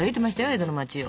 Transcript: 江戸の町を。